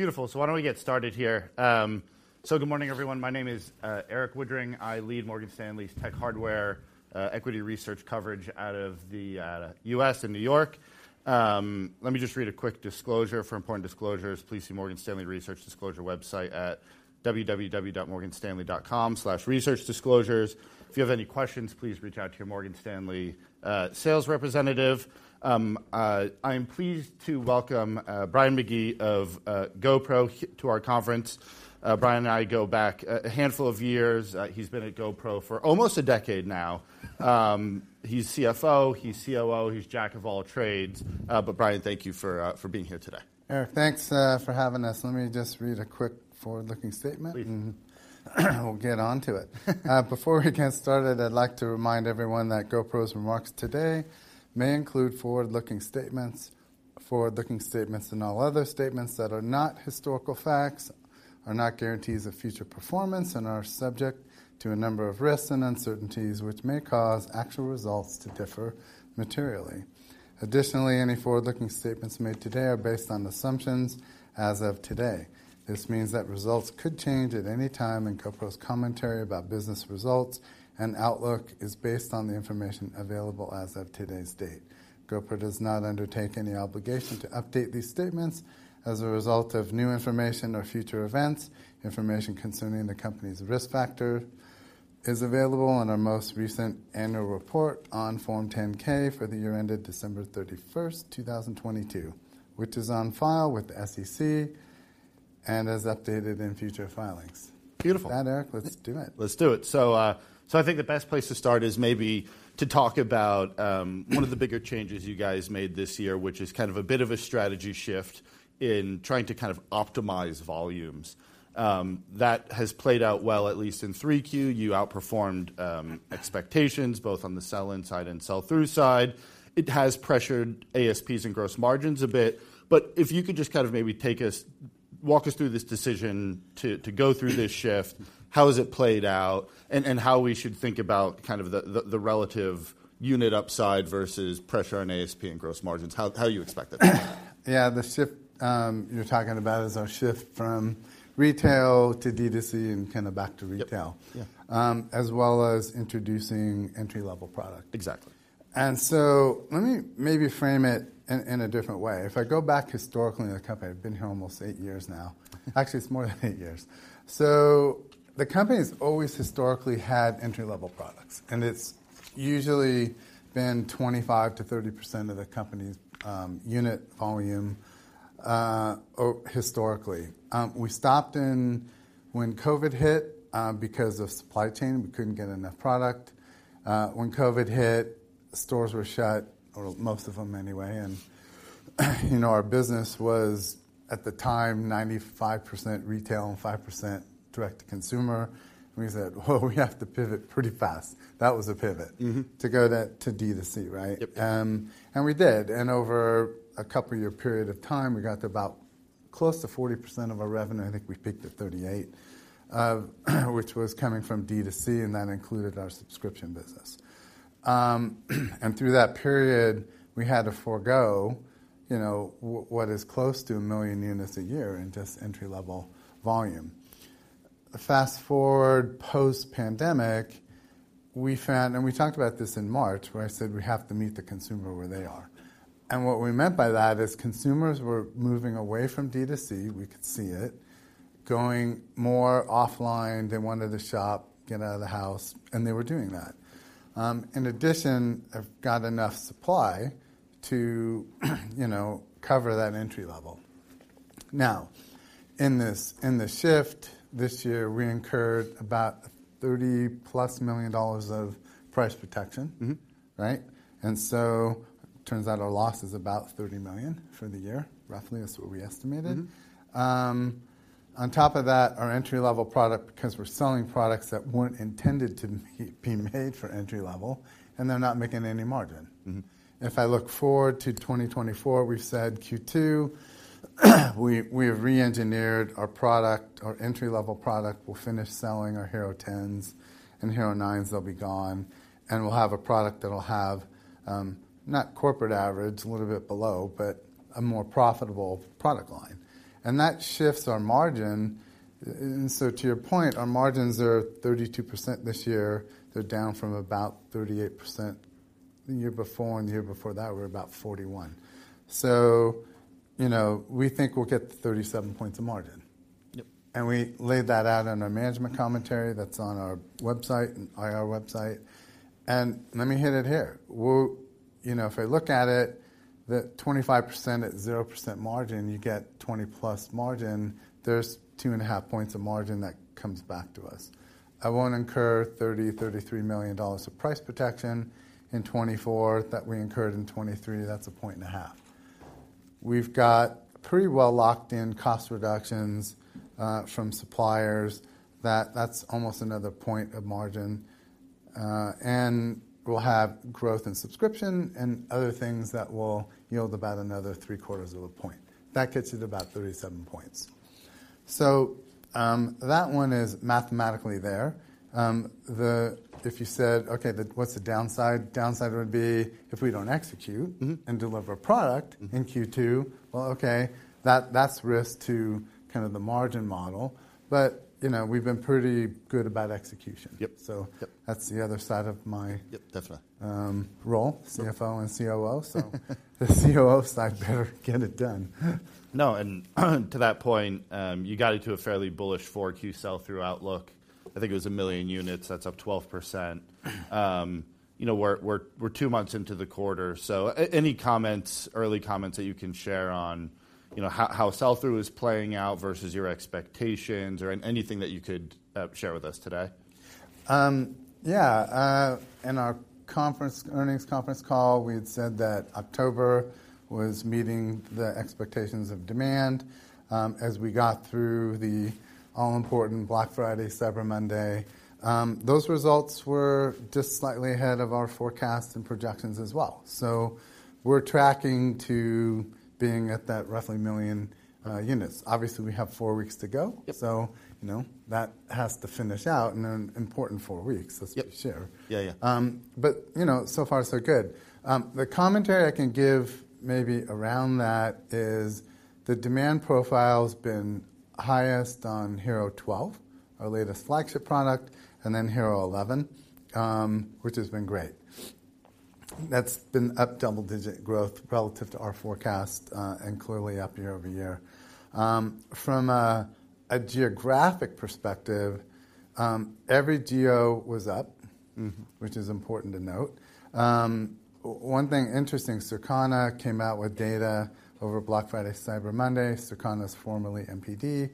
Beautiful. So why don't we get started here? So good morning, everyone. My name is, Erik Woodring. I lead Morgan Stanley's tech hardware, equity research coverage out of the, U.S. in New York. Let me just read a quick disclosure. For important disclosures, please see Morgan Stanley Research Disclosure website at www.morganstanley.com/researchdisclosures. If you have any questions, please reach out to your Morgan Stanley sales representative. I am pleased to welcome, Brian McGee of GoPro to our conference. Brian and I go back a handful of years. He's been at GoPro for almost a decade now. He's CFO, he's COO, he's jack of all trades. But, Brian, thank you for being here today. Erik, thanks, for having us. Let me just read a quick forward-looking statement- Please. and we'll get onto it. Before we get started, I'd like to remind everyone that GoPro's remarks today may include forward-looking statements. Forward-looking statements and all other statements that are not historical facts are not guarantees of future performance and are subject to a number of risks and uncertainties, which may cause actual results to differ materially. Additionally, any forward-looking statements made today are based on assumptions as of today. This means that results could change at any time, and GoPro's commentary about business results and outlook is based on the information available as of today's date. GoPro does not undertake any obligation to update these statements as a result of new information or future events. Information concerning the company's risk factor is available on our most recent annual report on Form 10-K for the year ended December 31st, 2022, which is on file with the SEC and as updated in future filings. Beautiful. Yeah, Erik, let's do it. Let's do it. So I think the best place to start is maybe to talk about one of the bigger changes you guys made this year, which is kind of a bit of a strategy shift in trying to kind of optimize volumes. That has played out well, at least in 3Q. You outperformed expectations, both on the sell-in side and sell-through side. It has pressured ASPs and gross margins a bit, but if you could just kind of maybe walk us through this decision to go through this shift, how has it played out, and how we should think about kind of the relative unit upside versus pressure on ASP and gross margins, how you expect that? Yeah, the shift you're talking about is our shift from retail to D2C and kind of back to retail- Yep. Yeah. as well as introducing entry-level product. Exactly. Let me maybe frame it in a different way. If I go back historically in the company, I've been here almost eight years now. Yeah. Actually, it's more than eight years. So the company's always historically had entry-level products, and it's usually been 25%-30% of the company's unit volume historically. We stopped when COVID hit, because of supply chain, we couldn't get enough product. When COVID hit, stores were shut, or most of them anyway, and, you know, our business was, at the time, 95% retail and 5% direct to consumer. We said, "Well, we have to pivot pretty fast." That was a pivot- Mm-hmm. - to go that to D2C, right? Yep. And we did. And over a couple-year period of time, we got to about close to 40% of our revenue, I think we peaked at 38, which was coming from D2C, and that included our subscription business. And through that period, we had to forgo, you know, what is close to 1 million units a year in just entry-level volume. Fast-forward post-pandemic, we found, and we talked about this in March, where I said we have to meet the consumer where they are. And what we meant by that is consumers were moving away from D2C, we could see it, going more offline. They wanted to shop, get out of the house, and they were doing that. In addition, I've got enough supply to, you know, cover that entry level. Now, in this shift, this year, we incurred about $30+ million of price protection. Mm-hmm. Right? And so it turns out our loss is about $30 million for the year. Roughly, that's what we estimated. Mm-hmm. On top of that, our entry-level product, because we're selling products that weren't intended to be made for entry level, and they're not making any margin. Mm-hmm. If I look forward to 2024, we've said Q2, we have reengineered our product. Our entry-level product, we'll finish selling our HERO10s and HERO9s, they'll be gone, and we'll have a product that will have, not corporate average, a little bit below, but a more profitable product line. And that shifts our margin. And so to your point, our margins are 32% this year. They're down from about 38% the year before, and the year before that were about 41. So, you know, we think we'll get to 37 points of margin. Yep. We laid that out in our management commentary that's on our website, in IR website. Let me hit it here. Well, you know, if I look at it, the 25% at 0% margin, you get 20+ margin. There's 2.5 points of margin that comes back to us. I won't incur $33 million of price protection in 2024 that we incurred in 2023. That's 1.5 points. We've got pretty well locked-in cost reductions from suppliers. That, that's almost another point of margin. And we'll have growth in subscription and other things that will yield about another 0.75 of a point. That gets you to about 37 points. So, that one is mathematically there. If you said, "Okay, what's the downside?" Downside would be if we don't execute- Mm-hmm. and deliver product Mm. In Q2, well, okay, that, that's risk to kind of the margin model, but, you know, we've been pretty good about execution. Yep. So- Yep. That's the other side of my- Yep, definitely. Role, CFO and COO. So the COO side better get it done. No, and to that point, you got into a fairly bullish 4Q sell-through outlook. I think it was 1 million units, that's up 12%. You know, we're two months into the quarter, so any comments, early comments that you can share on, you know, how sell-through is playing out versus your expectations, or anything that you could share with us today. Yeah. In our conference... earnings conference call, we had said that October was meeting the expectations of demand. As we got through the all-important Black Friday, Cyber Monday, those results were just slightly ahead of our forecast and projections as well. So we're tracking to being at that roughly million units. Obviously, we have four weeks to go. Yep. So, you know, that has to finish out, and an important four weeks- Yep. Let's be sure. Yeah, yeah. But, you know, so far, so good. The commentary I can give maybe around that is the demand profile's been highest on HERO12, our latest flagship product, and then HERO11, which has been great. That's been up double-digit growth relative to our forecast, and clearly up year-over-year. From a geographic perspective, every geo was up- Mm-hmm. Which is important to note. One thing interesting, Circana came out with data over Black Friday, Cyber Monday. Circana is formerly NPD.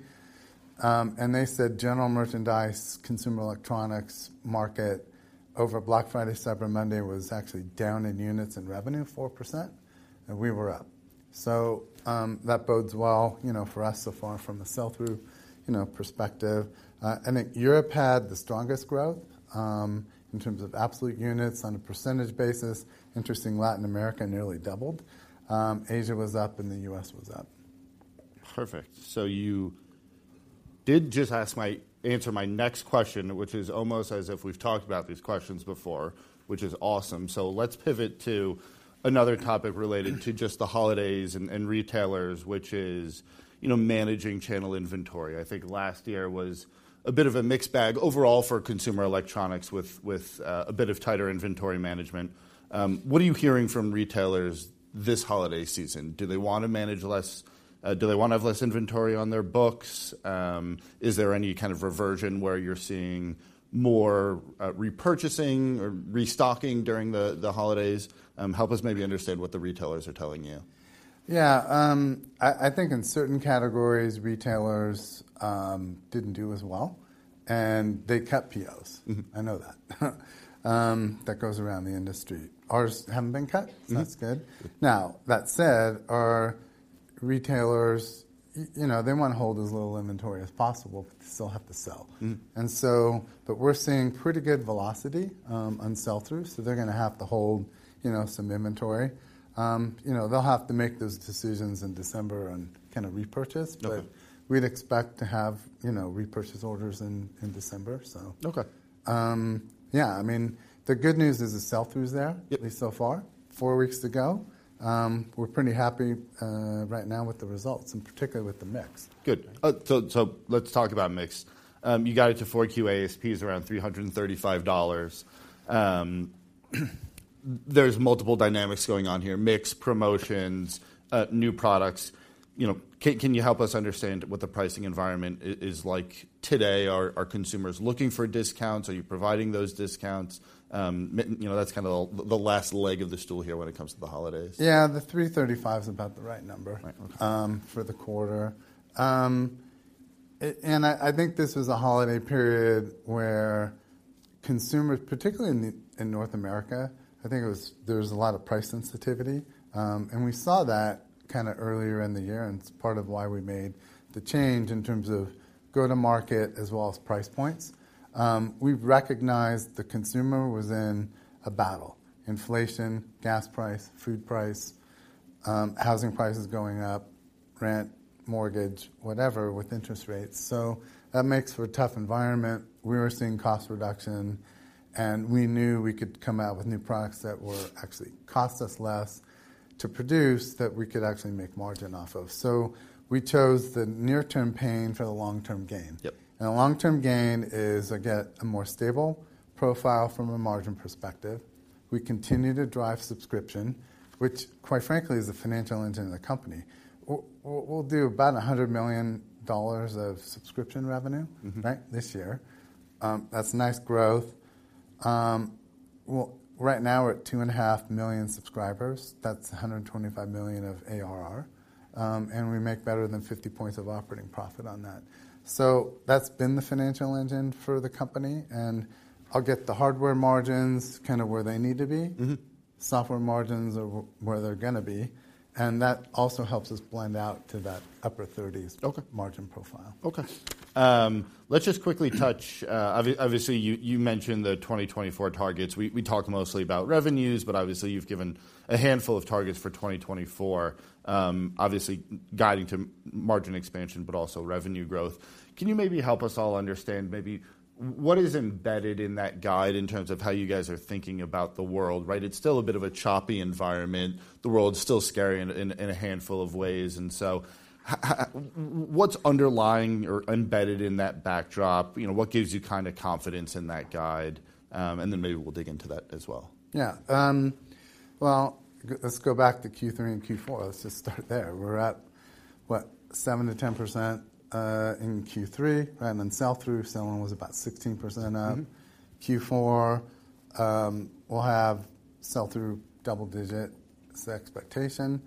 And they said general merchandise, consumer electronics market over Black Friday, Cyber Monday was actually down in units and revenue 4%, and we were up. So, that bodes well, you know, for us so far from a sell-through, you know, perspective. I think Europe had the strongest growth, in terms of absolute units on a percentage basis. Interesting, Latin America nearly doubled. Asia was up, and the U.S. was up. Perfect. So you did just answer my next question, which is almost as if we've talked about these questions before, which is awesome. So let's pivot to another topic related to just the holidays and retailers, which is, you know, managing channel inventory. I think last year was a bit of a mixed bag overall for consumer electronics, with a bit of tighter inventory management. What are you hearing from retailers this holiday season? Do they wanna manage less? Do they wanna have less inventory on their books? Is there any kind of reversion where you're seeing more repurchasing or restocking during the holidays? Help us maybe understand what the retailers are telling you. Yeah, I think in certain categories, retailers didn't do as well, and they cut POs. Mm-hmm. I know that. That goes around the industry. Ours haven't been cut- Mm. So that's good. Now, that said, our retailers, you know, they wanna hold as little inventory as possible, but they still have to sell. Mm. But we're seeing pretty good velocity on sell-through, so they're gonna have to hold, you know, some inventory. You know, they'll have to make those decisions in December on kind of repurchase. Okay. But we'd expect to have, you know, repurchase orders in December, so. Okay. Yeah, I mean, the good news is the sell-through is there- Yep. At least so far. Four weeks to go. We're pretty happy right now with the results, and particularly with the mix. Good. So, so let's talk about mix. You got it to 4Q ASPs, around $335. There's multiple dynamics going on here: mix, promotions, new products. You know, can you help us understand what the pricing environment is like today? Are consumers looking for discounts? Are you providing those discounts? You know, that's kind of the last leg of the stool here when it comes to the holidays. Yeah, the $335 is about the right number- Right, okay. for the quarter. And I think this was a holiday period where consumers, particularly in North America, there was a lot of price sensitivity. And we saw that kinda earlier in the year, and it's part of why we made the change in terms of go-to-market as well as price points. We've recognized the consumer was in a battle: inflation, gas price, food price, housing prices going up, rent, mortgage, whatever, with interest rates. So that makes for a tough environment. We were seeing cost reduction, and we knew we could come out with new products that were actually cost us less to produce, that we could actually make margin off of. So we chose the near-term pain for the long-term gain. Yep. The long-term gain is, again, a more stable profile from a margin perspective. We continue to drive subscription, which, quite frankly, is the financial engine of the company. We'll do about $100 million of subscription revenue- Mm-hmm. -right? This year. That's nice growth. Well, right now we're at 2.5 million subscribers. That's $125 million of ARR, and we make better than 50 points of operating profit on that. So that's been the financial engine for the company, and I'll get the hardware margins kind of where they need to be. Mm-hmm.... software margins are where they're gonna be, and that also helps us blend out to that upper thirties- Okay. -margin profile. Okay. Let's just quickly touch... Obviously, you mentioned the 2024 targets. We talked mostly about revenues, but obviously, you've given a handful of targets for 2024, obviously, guiding to margin expansion, but also revenue growth. Can you maybe help us all understand maybe what is embedded in that guide in terms of how you guys are thinking about the world, right? It's still a bit of a choppy environment. The world's still scary in a handful of ways, and so, what's underlying or embedded in that backdrop? You know, what gives you kind of confidence in that guide? And then maybe we'll dig into that as well. Yeah. Well, let's go back to Q3 and Q4. Let's just start there. We're at, what? 7%-10% in Q3, right? And then sell-through, selling was about 16% up. Mm-hmm. Q4, we'll have sell-through double-digit is the expectation,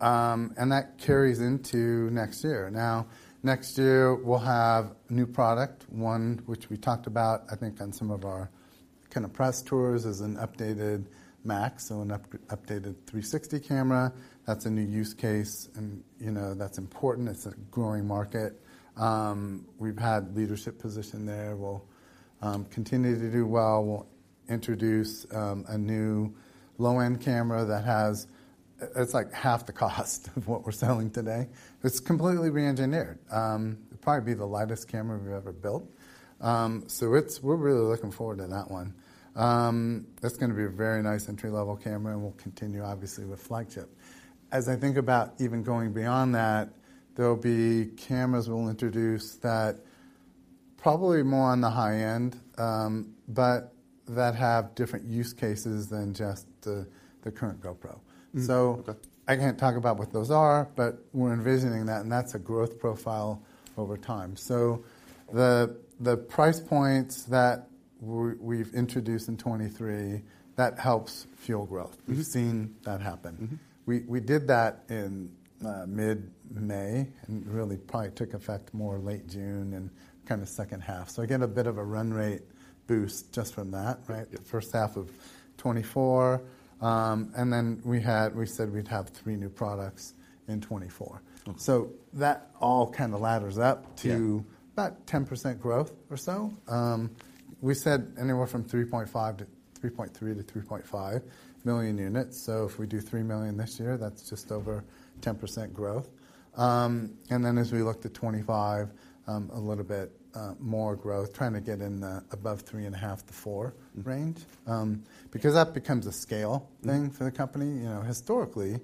and that carries into next year. Now, next year, we'll have new product, one which we talked about, I think, on some of our kind of press tours, is an updated MAX, so an updated 360 camera. That's a new use case, and, you know, that's important. It's a growing market. We've had leadership position there. We'll continue to do well. We'll introduce a new low-end camera that it's like half the cost of what we're selling today. It's completely reengineered. It'll probably be the lightest camera we've ever built. So we're really looking forward to that one. That's gonna be a very nice entry-level camera, and we'll continue, obviously, with flagship. As I think about even going beyond that, there'll be cameras we'll introduce that probably more on the high end, but that have different use cases than just the current GoPro. Mm-hmm. Okay. So I can't talk about what those are, but we're envisioning that, and that's a growth profile over time. So the price points that we've introduced in 2023, that helps fuel growth. Mm-hmm. We've seen that happen. Mm-hmm. We did that in mid-May, and it really probably took effect more late June and kind of second-half. So again, a bit of a run rate boost just from that, right? Yeah. First half of 2024, and then we said we'd have three new products in 2024. Okay. So that all kind of ladders up to- Yeah... about 10% growth or so. We said anywhere from 3.3-3.5 million units. So if we do 3 million this year, that's just over 10% growth. And then as we looked at 2025, a little bit more growth, trying to get in the above 3.5-4- Mm. -range, because that becomes a scale thing- Mm For the company. You know, historically,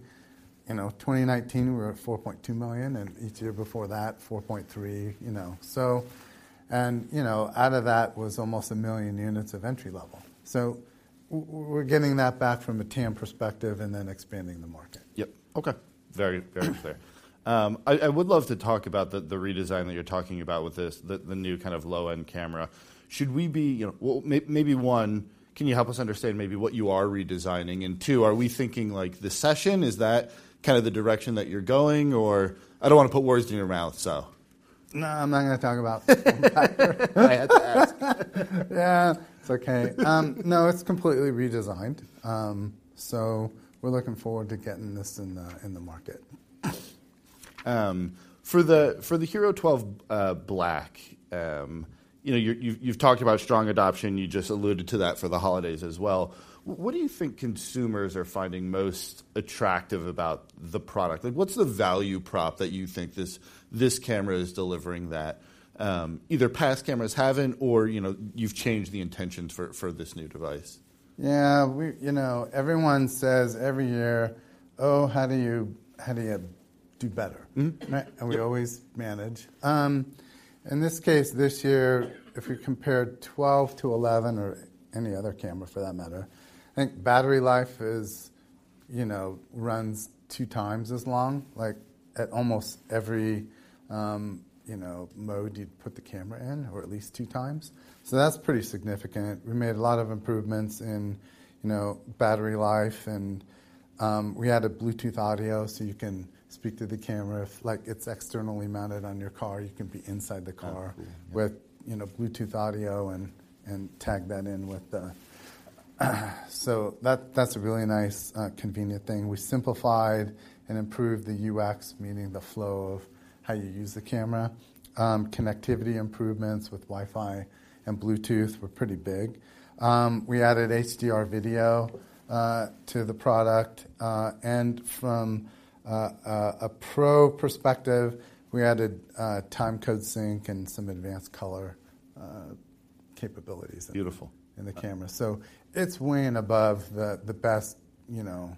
you know, 2019, we were at 4.2 million, and each year before that, 4.3, you know, so. And, you know, out of that was almost 1 million units of entry level. So we're getting that back from a TAM perspective and then expanding the market. Yep. Okay. Very, very clear. I would love to talk about the redesign that you're talking about with this, the new kind of low-end camera. Should we be, you know... Well, maybe, one, can you help us understand maybe what you are redesigning? And two, are we thinking, like, the Session, is that kind of the direction that you're going, or... I don't want to put words in your mouth, so. No, I'm not gonna talk about that. I had to ask. Yeah. It's okay. No, it's completely redesigned. So we're looking forward to getting this in the market. For the HERO12 Black, you know, you've talked about strong adoption. You just alluded to that for the holidays as well. What do you think consumers are finding most attractive about the product? Like, what's the value prop that you think this camera is delivering that either past cameras haven't or, you know, you've changed the intentions for this new device? Yeah, you know, everyone says every year: "Oh, how do you, how do you do better? Mm-hmm. Right? Yeah. We always manage. In this case, this year, if we compare 12 - 11 or any other camera for that matter, I think battery life is, you know, runs two times as long, like, at almost every, you know, mode you'd put the camera in or at least two times. So that's pretty significant. We made a lot of improvements in, you know, battery life, and we added Bluetooth audio, so you can speak to the camera. If, like, it's externally mounted on your car, you can be inside the car- Absolutely. with, you know, Bluetooth audio and, and tag that in with the... So that, that's a really nice convenient thing. We simplified and improved the UX, meaning the flow of how you use the camera. Connectivity improvements with Wi-Fi and Bluetooth were pretty big. We added HDR video to the product, and from a pro perspective, we added timecode sync and some advanced color capabilities- Beautiful -in the camera. So it's way and above the best, you know,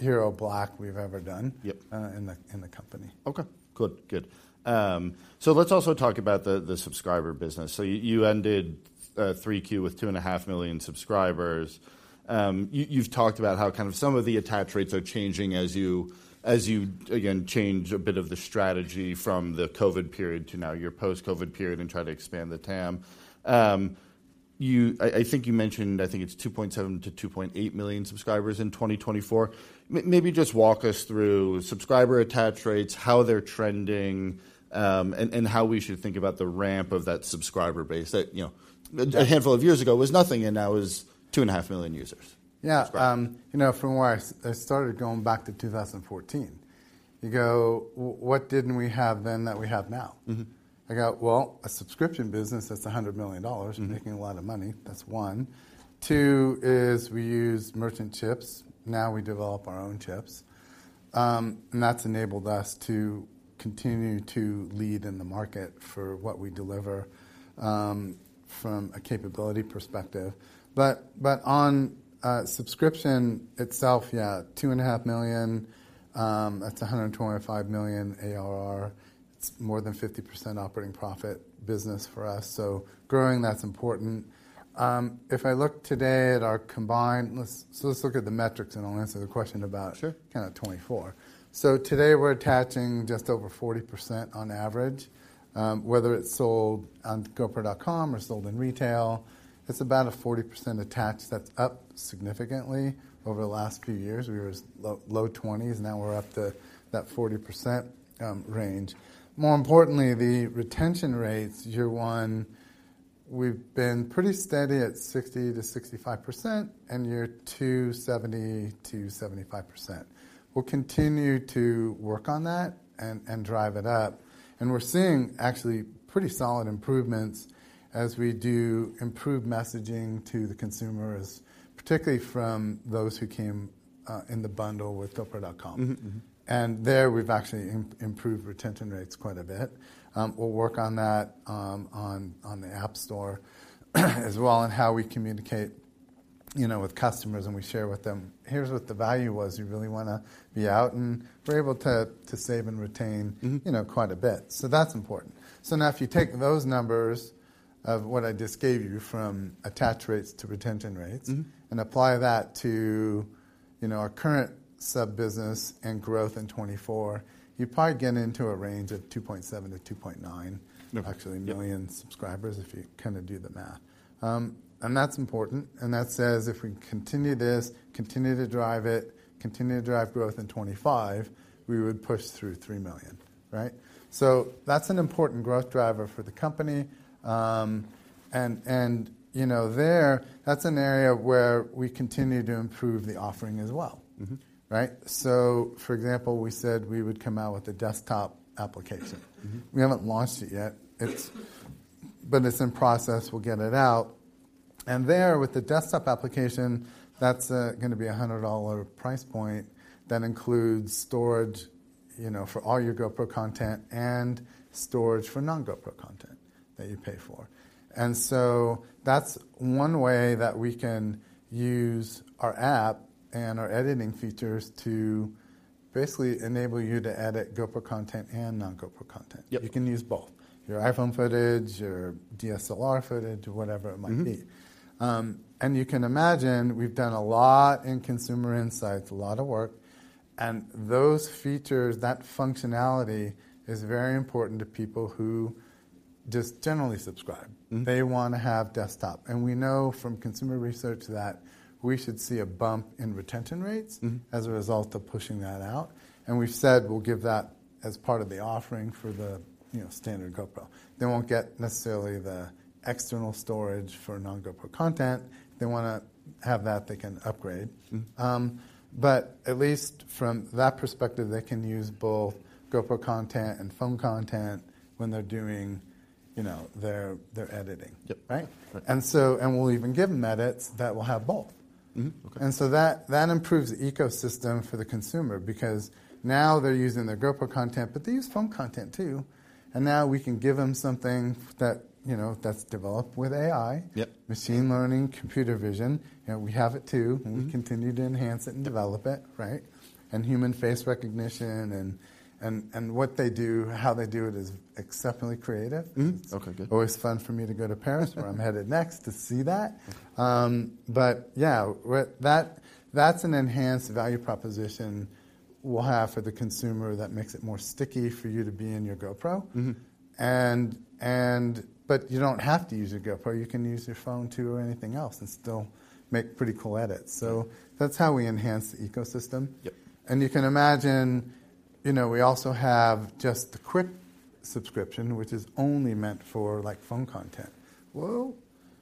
HERO Black we've ever done- Yep in the company. Okay, good. Good. So let's also talk about the subscriber business. So you ended 3Q with 2.5 million subscribers. You've talked about how kind of some of the attach rates are changing as you again change a bit of the strategy from the COVID period to now your post-COVID period and try to expand the TAM. I think you mentioned, I think it's 2.7-2.8 million subscribers in 2024. Maybe just walk us through subscriber attach rates, how they're trending, and how we should think about the ramp of that subscriber base that, you know, a handful of years ago was nothing, and now is 2.5 million users. Yeah. Um- You know, from where I started, going back to 2014... you go, what didn't we have then that we have now? Mm-hmm. I go, "Well, a subscription business that's $100 million- Mm-hmm. and making a lot of money, that's one. Two is we use merchant chips, now we develop our own chips. And that's enabled us to continue to lead in the market for what we deliver, from a capability perspective. But on subscription itself, yeah, 2.5 million, that's $125 million ARR. It's more than 50% operating profit business for us, so growing, that's important. If I look today at our combined—let's, so let's look at the metrics, and I'll answer the question about- Sure. Kind of 24. So today we're attaching just over 40% on average. Whether it's sold on GoPro.com or sold in retail, it's about a 40% attach. That's up significantly over the last few years. We were as low, low 20s, now we're up to that 40%, range. More importantly, the retention rates, year one, we've been pretty steady at 60%-65%, and year two, 70%-75%. We'll continue to work on that and, and drive it up, and we're seeing actually pretty solid improvements as we do improved messaging to the consumers, particularly from those who came, in the bundle with GoPro.com. Mm-hmm. Mm-hmm. And there, we've actually improved retention rates quite a bit. We'll work on that on the App Store, as well, and how we communicate, you know, with customers, and we share with them, "Here's what the value was. You really wanna be out," and we're able to save and retain- Mm-hmm. You know, quite a bit. That's important. Now if you take those numbers of what I just gave you from attach rates to retention rates- Mm-hmm. and apply that to, you know, our current sub business and growth in 2024, you'd probably get into a range of 2.7-2.9- Yep... actually million subscribers, if you kind of do the math. And that's important, and that says if we continue this, continue to drive it, continue to drive growth in 2025, we would push through 3 million, right? So that's an important growth driver for the company. And, and, you know, there, that's an area where we continue to improve the offering as well. Mm-hmm. Right. For example, we said we would come out with a desktop application. Mm-hmm. We haven't launched it yet. It's... but it's in process. We'll get it out. And there, with the desktop application, that's gonna be a $100 price point. That includes storage, you know, for all your GoPro content and storage for non-GoPro content that you pay for. And so that's one way that we can use our app and our editing features to basically enable you to edit GoPro content and non-GoPro content. Yep. You can use both, your iPhone footage, your DSLR footage, or whatever it might be. Mm-hmm. And you can imagine, we've done a lot in consumer insights, a lot of work, and those features, that functionality, is very important to people who just generally subscribe. Mm-hmm. They wanna have desktop. And we know from consumer research that we should see a bump in retention rates. Mm-hmm... as a result of pushing that out, and we've said we'll give that as part of the offering for the, you know, standard GoPro. They won't get necessarily the external storage for non-GoPro content. If they wanna have that, they can upgrade. Mm-hmm. But at least from that perspective, they can use both GoPro content and phone content when they're doing, you know, their editing. Yep. Right? Right. And so we'll even give them edits that will have both. Mm-hmm. Okay. And so that improves the ecosystem for the consumer because now they're using their GoPro content, but they use phone content too, and now we can give them something that, you know, that's developed with AI- Yep... machine learning, computer vision, and we have it too. Mm-hmm. We continue to enhance it and develop it, right? Human face recognition, what they do, how they do it, is exceptionally creative. Mm-hmm. Okay, good. Always fun for me to go to Paris, where I'm headed next, to see that. But yeah, that's an enhanced value proposition we'll have for the consumer that makes it more sticky for you to be in your GoPro. Mm-hmm. You don't have to use your GoPro. You can use your phone, too, or anything else and still make pretty cool edits. Yep. That's how we enhance the ecosystem. Yep. You can imagine, you know, we also have just the Quik subscription, which is only meant for, like, phone content. Well,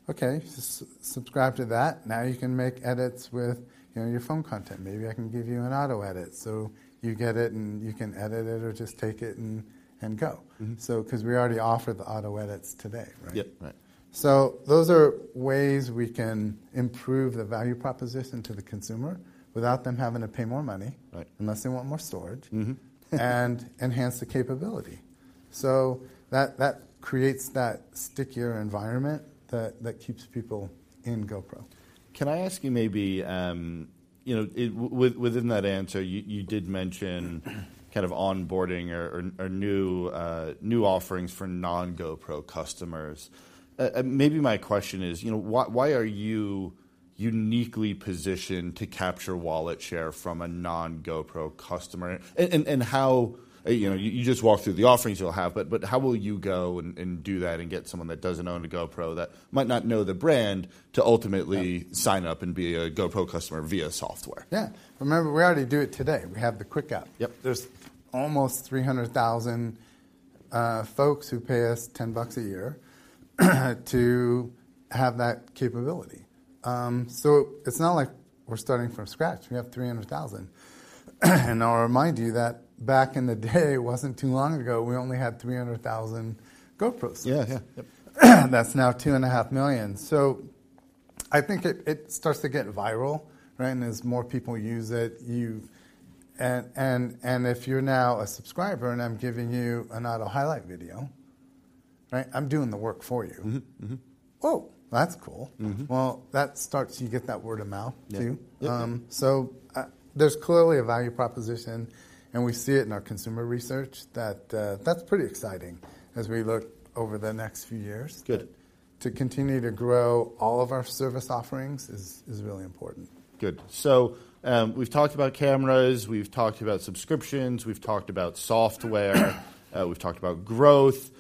okay, subscribe to that. Now you can make edits with, you know, your phone content. Maybe I can give you an auto edit, so you get it, and you can edit it or just take it and go. Mm-hmm. 'Cause we already offer the auto edits today, right? Yep. Right. So those are ways we can improve the value proposition to the consumer without them having to pay more money- Right... unless they want more storage- Mm-hmm. and enhance the capability. So that creates that stickier environment that keeps people in GoPro. Can I ask you maybe, you know, within that answer, you did mention kind of onboarding or new offerings for non-GoPro customers. Maybe my question is, you know, why are you uniquely positioned to capture wallet share from a non-GoPro customer? And how you know, you just walked through the offerings you'll have, but how will you go and do that and get someone that doesn't own a GoPro, that might not know the brand, to ultimately- Yep... sign up and be a GoPro customer via software? Yeah. Remember, we already do it today. We have the Quik app. Yep. There's almost 300,000 folks who pay us $10 a year, to have that capability. It's not like we're starting from scratch. We have 300,000. I'll remind you that back in the day, it wasn't too long ago, we only had 300,000 GoPros. Yeah, yeah. Yep. That's now 2.5 million. So I think it starts to get viral, right? And as more people use it, and if you're now a subscriber, and I'm giving you an auto highlight video, right? I'm doing the work for you. Mm-hmm. Mm-hmm. Oh, that's cool. Mm-hmm. Well, that starts, you get that word of mouth, too. Yeah. There's clearly a value proposition, and we see it in our consumer research that that's pretty exciting as we look over the next few years. Good. To continue to grow all of our service offerings is really important. Good. So, we've talked about cameras, we've talked about subscriptions, we've talked about software, we've talked about growth.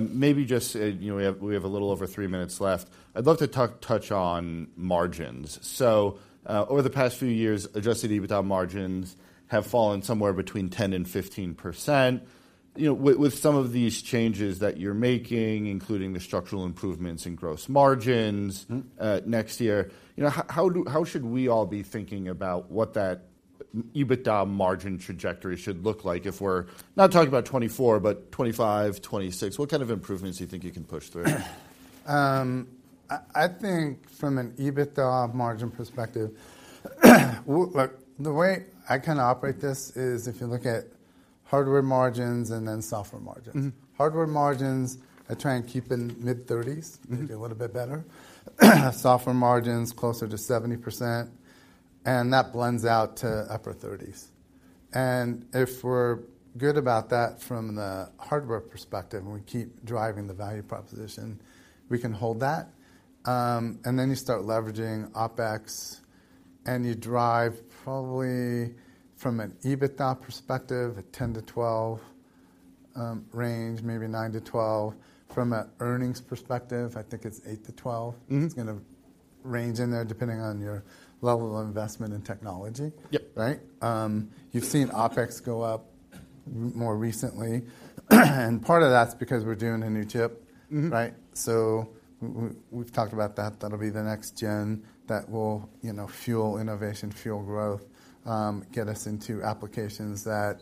Maybe just, you know, we have a little over three minutes left. I'd love to talk—touch on margins. So, over the past few years, adjusted EBITDA margins have fallen somewhere between 10% and 15%. You know, with some of these changes that you're making, including the structural improvements in gross margins- Mm-hmm. Next year, you know, how should we all be thinking about what that EBITDA margin trajectory should look like? If we're not talking about 2024, but 2025, 2026, what kind of improvements do you think you can push through? I think from an EBITDA margin perspective, look, the way I kinda operate this is, if you look at hardware margins and then software margins. Mm-hmm. Hardware margins, I try and keep in mid-30s. Mm-hmm. Maybe a little bit better. Software margins, closer to 70%, and that blends out to upper 30s. If we're good about that from the hardware perspective, and we keep driving the value proposition, we can hold that. And then you start leveraging OpEx, and you drive probably from an EBITDA perspective, a 10-12 range, maybe 9-12. From an earnings perspective, I think it's 8-12. Mm-hmm. It's gonna range in there depending on your level of investment in technology. Yep. Right? You've seen OpEx go up more recently, and part of that's because we're doing a new chip. Mm-hmm. Right? So we've talked about that. That'll be the next gen that will, you know, fuel innovation, fuel growth, get us into applications that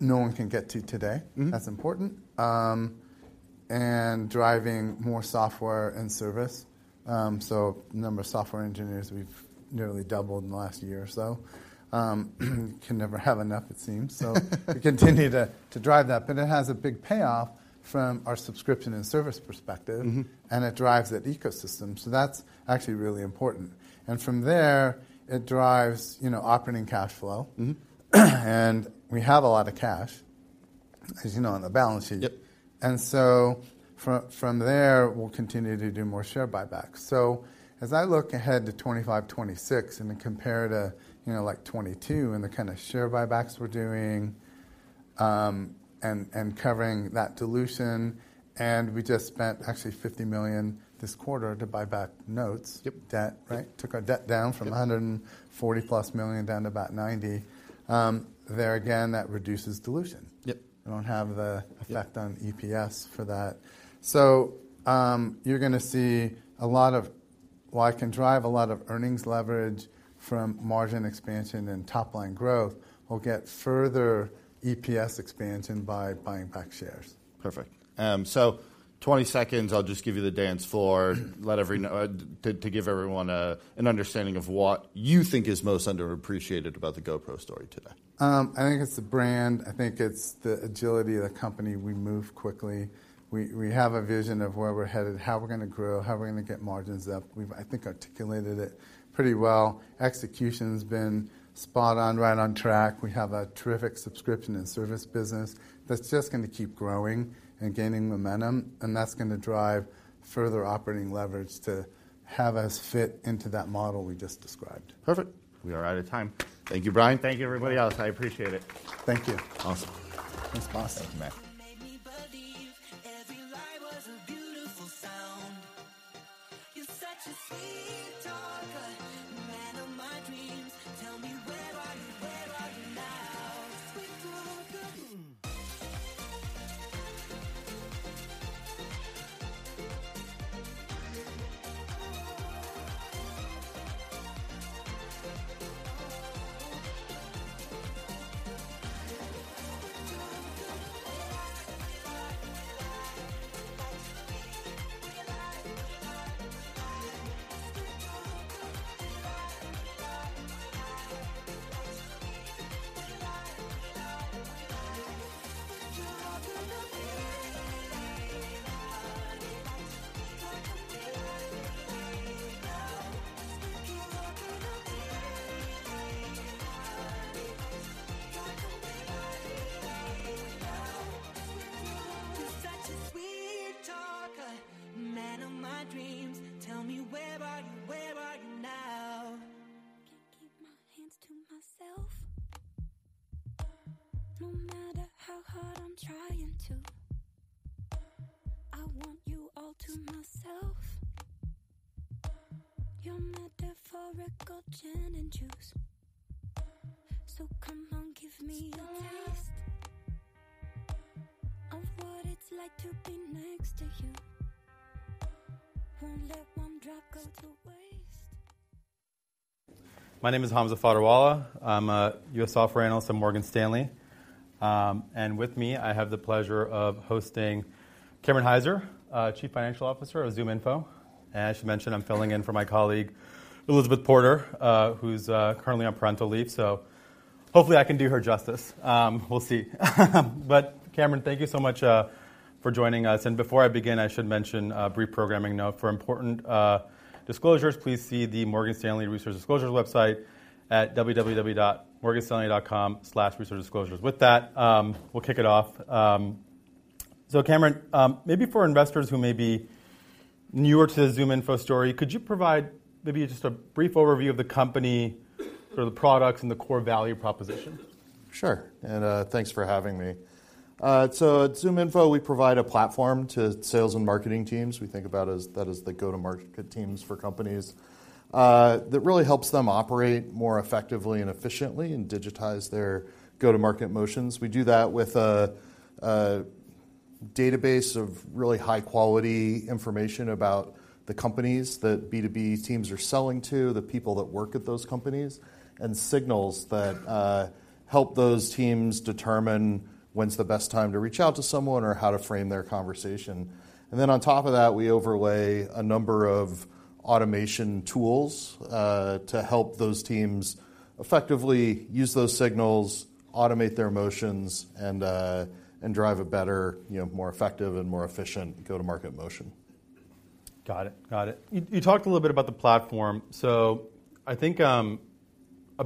no one can get to today. Mm-hmm. That's important. And driving more software and service. So the number of software engineers, we've nearly doubled in the last year or so. Can never have enough, it seems. So we continue to drive that, but it has a big payoff from our subscription and service perspective- Mm-hmm. and it drives that ecosystem, so that's actually really important. And from there, it drives, you know, operating cash flow. Mm-hmm. We have a lot of cash, as you know, on the balance sheet. Yep. From there, we'll continue to do more share buybacks. So as I look ahead to 2025, 2026, and then compare to, you know, like 2022 and the kind of share buybacks we're doing, and covering that dilution, and we just spent actually $50 million this quarter to buy back notes. Yep. Debt, right? Took our debt down- Yep... from 140+ million down to about 90. There again, that reduces dilution. Yep. We don't have the- Yep... effect on EPS for that. So, you're gonna see a lot of... While I can drive a lot of earnings leverage from margin expansion and top-line growth, we'll get further EPS expansion by buying back shares. Perfect. So 20 seconds, I'll just give you the dance floor. To give everyone and understanding of what you think is most underappreciated about the GoPro story today. I think it's the brand. I think it's the agility of the company. We move quickly. We have a vision of where we're headed, how we're gonna grow, how we're gonna get margins up. We've, I think, articulated it pretty well. Execution's been spot on, right on track. We have a terrific subscription and service business that's just gonna keep growing and gaining momentum, and that's gonna drive further operating leverage to have us fit into that model we just described. Perfect. We are out of time. Thank you, Brian. Thank you, everybody else. I appreciate it. Thank you. Awesome. That's awesome. Thank you, man. My name is Hamza Fodderwala. I'm a U.S. software analyst at Morgan Stanley. And with me, I have the pleasure of hosting Cameron Hyzer, Chief Financial Officer of ZoomInfo. And I should mention, I'm filling in for my colleague, Elizabeth Porter, who's currently on parental leave. So hopefully I can do her justice. We'll see. But Cameron, thank you so much for joining us. And before I begin, I should mention a brief programming note. For important disclosures, please see the Morgan Stanley Research Disclosure website at www.morganstanley.com/researchdisclosures. With that, we'll kick it off. So Cameron, maybe for investors who may be newer to the ZoomInfo story, could you provide maybe just a brief overview of the company, for the products and the core value proposition? Sure, and, thanks for having me. So at ZoomInfo, we provide a platform to sales and marketing teams. We think about that as the go-to-market teams for companies that really helps them operate more effectively and efficiently and digitize their go-to-market motions. We do that with a database of really high-quality information about the companies that B2B teams are selling to, the people that work at those companies, and signals that help those teams determine when's the best time to reach out to someone or how to frame their conversation. And then on top of that, we overlay a number of automation tools to help those teams effectively use those signals, automate their motions, and drive a better, you know, more effective and more efficient go-to-market motion. Got it. Got it. You talked a little bit about the platform. So I think a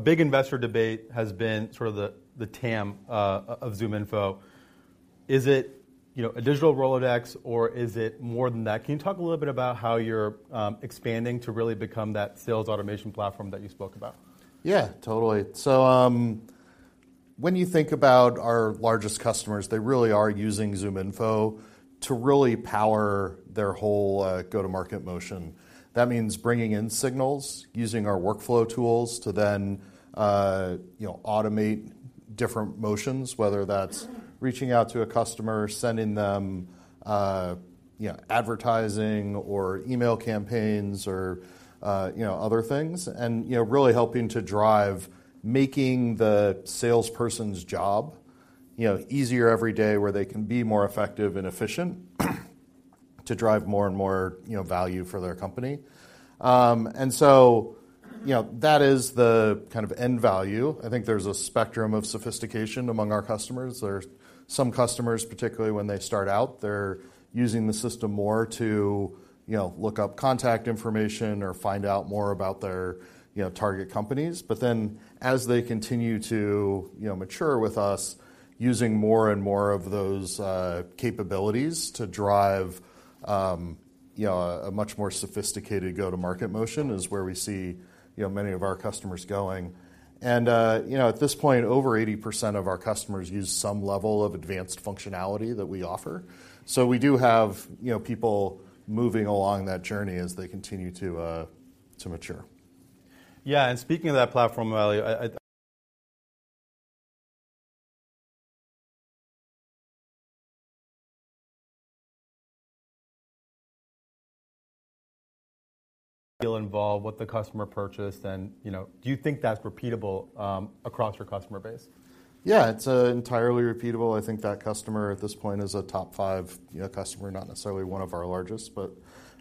big investor debate has been sort of the TAM of ZoomInfo. Is it, you know, a digital Rolodex or is it more than that? Can you talk a little bit about how you're expanding to really become that sales automation platform that you spoke about? Yeah, totally. So, when you think about our largest customers, they really are using ZoomInfo to really power their whole go-to-market motion. That means bringing in signals, using our workflow tools to then, you know, automate different motions, whether that's reaching out to a customer, sending them, you know, advertising or email campaigns or, you know, other things. And, you know, really helping to drive making the salesperson's job, you know, easier every day, where they can be more effective and efficient, to drive more and more, you know, value for their company. And so, you know, that is the kind of end value. I think there's a spectrum of sophistication among our customers. There's some customers, particularly when they start out, they're using the system more to, you know, look up contact information or find out more about their, you know, target companies. But then, as they continue to, you know, mature with us, using more and more of those capabilities to drive, you know, a much more sophisticated go-to-market motion is where we see, you know, many of our customers going. At this point, over 80% of our customers use some level of advanced functionality that we offer. We do have, you know, people moving along that journey as they continue to mature. Yeah, and speaking of that platform value, the deal involved what the customer purchased and, you know, do you think that's repeatable across your customer base? Yeah, it's entirely repeatable. I think that customer at this point is a top five, you know, customer, not necessarily one of our largest, but,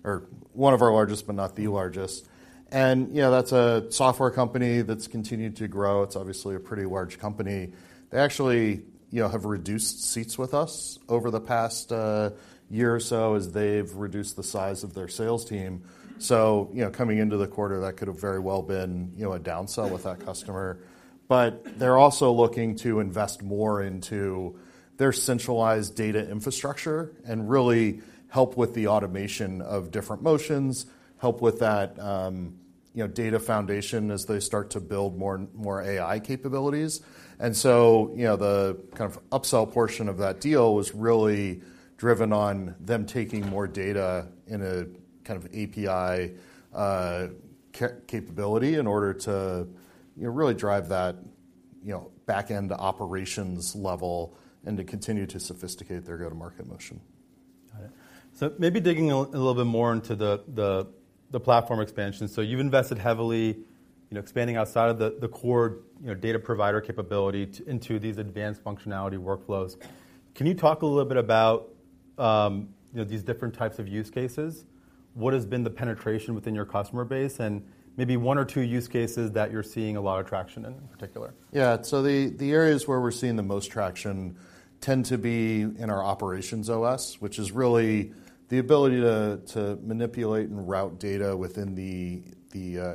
or one of our largest, but not the largest. And, you know, that's a software company that's continued to grow. It's obviously a pretty large company. They actually, you know, have reduced seats with us over the past year or so as they've reduced the size of their sales team. So, you know, coming into the quarter, that could have very well been, you know, a downsell with that customer. But they're also looking to invest more into their centralized data infrastructure and really help with the automation of different motions, help with that, you know, data foundation as they start to build more, more AI capabilities. You know, the kind of upsell portion of that deal was really driven on them taking more data in a kind of API capability in order to, you know, really drive that, you know, back-end operations level and to continue to sophisticate their go-to-market motion. Got it. So maybe digging a little bit more into the platform expansion. So you've invested heavily, you know, expanding outside of the core, you know, data provider capability into these advanced functionality workflows. Can you talk a little bit about, you know, these different types of use cases? What has been the penetration within your customer base, and maybe one or two use cases that you're seeing a lot of traction in particular? Yeah. So the areas where we're seeing the most traction tend to be in our OperationsOS, which is really the ability to manipulate and route data within the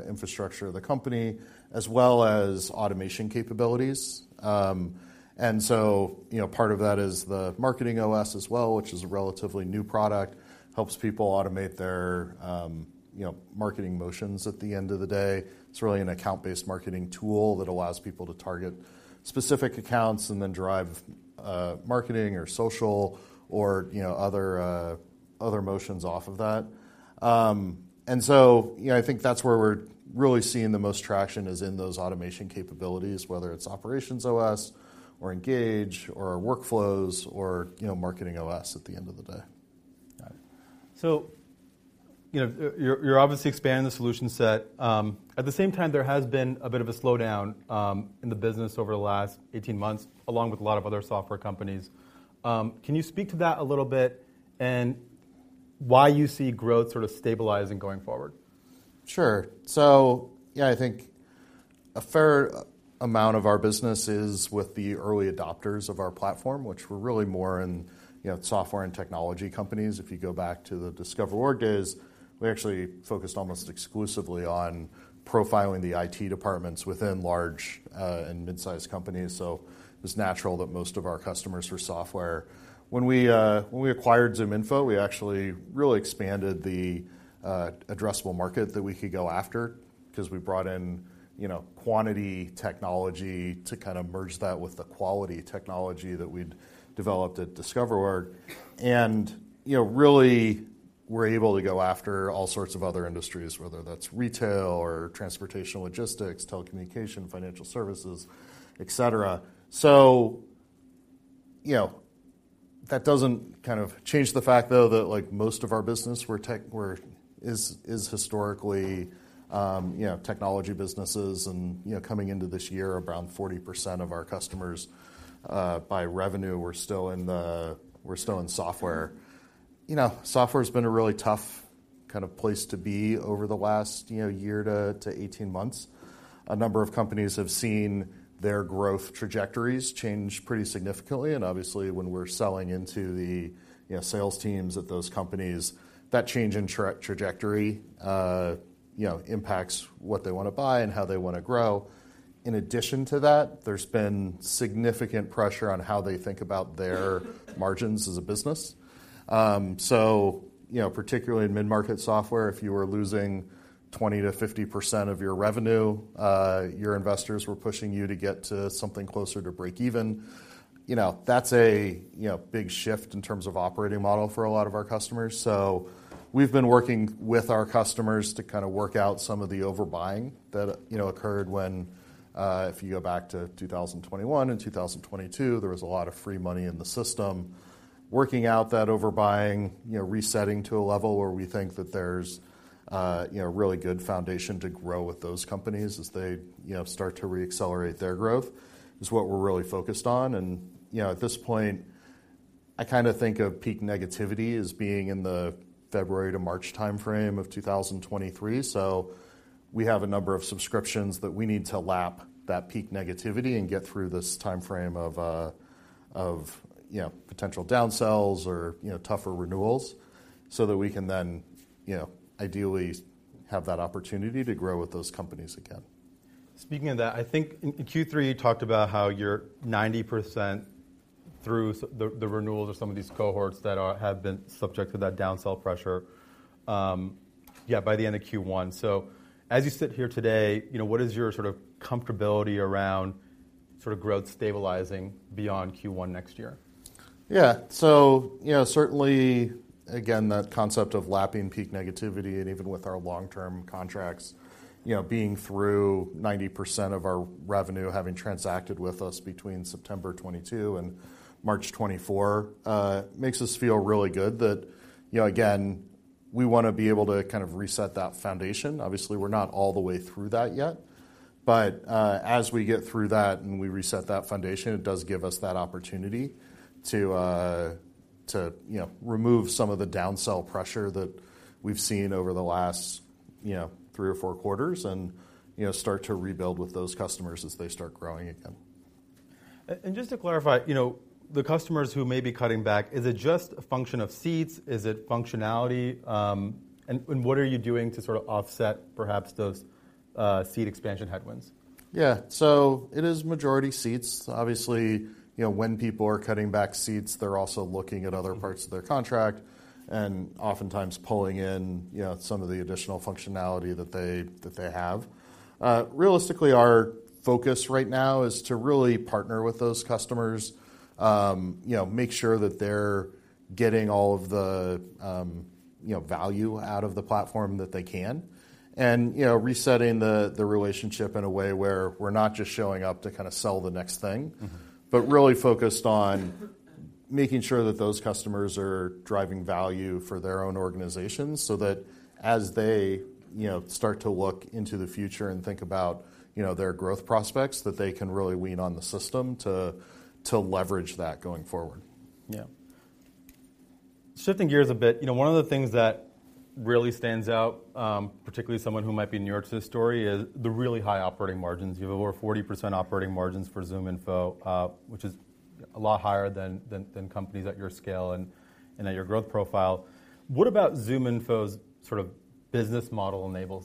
infrastructure of the company, as well as automation capabilities. And so, you know, part of that is the MarketingOS as well, which is a relatively new product, helps people automate their, you know, marketing motions at the end of the day. It's really an account-based marketing tool that allows people to target specific accounts and then drive marketing or social or, you know, other motions off of that. And so, you know, I think that's where we're really seeing the most traction is in those automation capabilities, whether it's OperationsOS or Engage or Workflows or, you know, MarketingOS at the end of the day. Got it. So, you know, you're obviously expanding the solution set. At the same time, there has been a bit of a slowdown in the business over the last 18 months, along with a lot of other software companies. Can you speak to that a little bit and why you see growth sort of stabilizing going forward? Sure. So yeah, I think a fair amount of our business is with the early adopters of our platform, which were really more in, you know, software and technology companies. If you go back to the DiscoverOrg days, we actually focused almost exclusively on profiling the IT departments within large, and mid-sized companies, so it's natural that most of our customers were software. When we, when we acquired ZoomInfo, we actually really expanded the, addressable market that we could go after 'cause we brought in, you know, quantity technology to kind of merge that with the quality technology that we'd developed at DiscoverOrg. And, you know, really, we're able to go after all sorts of other industries, whether that's retail or transportation, logistics, telecommunication, financial services, et cetera. So, you know, that doesn't kind of change the fact, though, that, like most of our business, we're tech – we're is historically technology businesses and, you know, coming into this year, around 40% of our customers by revenue, we're still in the, we're still in software. You know, software's been a really tough kind of place to be over the last, you know, year to 18 months. A number of companies have seen their growth trajectories change pretty significantly, and obviously, when we're selling into the, you know, sales teams at those companies, that change in trajectory, you know, impacts what they want to buy and how they want to grow. In addition to that, there's been significant pressure on how they think about their margins as a business. So, you know, particularly in mid-market software, if you were losing 20%-50% of your revenue, your investors were pushing you to get to something closer to breakeven. You know, that's a, you know, big shift in terms of operating model for a lot of our customers. So we've been working with our customers to kind of work out some of the overbuying that, you know, occurred when, if you go back to 2021 and 2022, there was a lot of free money in the system. Working out that overbuying, you know, resetting to a level where we think that there's, you know, really good foundation to grow with those companies as they, you know, start to reaccelerate their growth is what we're really focused on. And, you know, at this point, I kinda think of peak negativity as being in the February to March timeframe of 2023. So we have a number of subscriptions that we need to lap that peak negativity and get through this timeframe of, you know, potential downsells or, you know, tougher renewals so that we can then, you know, ideally have that opportunity to grow with those companies again. Speaking of that, I think in Q3, you talked about how you're 90% through the renewals of some of these cohorts that are, have been subject to that downsell pressure, yeah, by the end of Q1. So as you sit here today, you know, what is your sort of comfortability around sort of growth stabilizing beyond Q1 next year? Yeah. So, you know, certainly, again, that concept of lapping peak negativity and even with our long-term contracts, you know, being through 90% of our revenue, having transacted with us between September 2022 and March 2024, makes us feel really good that, you know, again, we wanna be able to kind of reset that foundation. Obviously, we're not all the way through that yet, but, as we get through that and we reset that foundation, it does give us that opportunity to, you know, remove some of the downsell pressure that we've seen over the last, you know, three or four quarters and, you know, start to rebuild with those customers as they start growing again. And just to clarify, you know, the customers who may be cutting back, is it just a function of seats? Is it functionality? And what are you doing to sort of offset perhaps those seat expansion headwinds? Yeah. So it is majority seats. Obviously, you know, when people are cutting back seats, they're also looking at other parts of their contract and oftentimes pulling in, you know, some of the additional functionality that they have. Realistically, our focus right now is to really partner with those customers, you know, make sure that they're getting all of the, you know, value out of the platform that they can, and, you know, resetting the relationship in a way where we're not just showing up to kind of sell the next thing- Mm-hmm. But really focused on making sure that those customers are driving value for their own organizations, so that as they, you know, start to look into the future and think about, you know, their growth prospects, that they can really lean on the system to leverage that going forward. Yeah. Shifting gears a bit, you know, one of the things that really stands out, particularly someone who might be new to this story, is the really high operating margins. You have over 40% operating margins for ZoomInfo, which is a lot higher than companies at your scale and at your growth profile. What about ZoomInfo's sort of business model enables that?